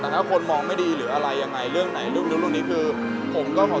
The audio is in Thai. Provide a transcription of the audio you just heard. ตอนนี้ก็ยังไม่ได้เลยครับตอนนี้ก็ยังไม่ได้เลยครับตอนนี้ก็ยังไม่ได้เลยครับ